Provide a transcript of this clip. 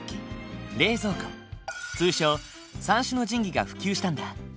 通称三種の神器が普及したんだ。